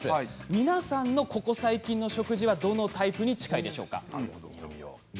皆さんのここ最近の食事はどのタイプに近いでしょうか？